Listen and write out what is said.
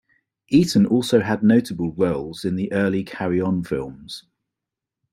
Eaton also had notable roles in the early "Carry On" films.